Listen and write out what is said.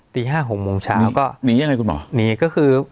ตีห้าหกโมงเช้าก็หนียังไงคุณหมอหนีก็คือ